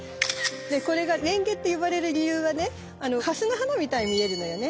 でこれがレンゲって呼ばれる理由はねハスの花みたいに見えるのよね。